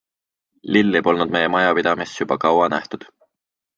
Lilli polnud meie majapidamises juba kaua nähtud.